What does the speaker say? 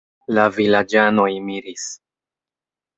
La vilaĝanoj miris.